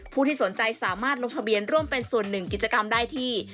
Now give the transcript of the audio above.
ที่สนใจสามารถลงทะเบียนร่วมเป็นส่วนหนึ่งกิจกรรมได้ที่